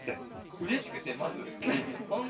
うれしくてまず。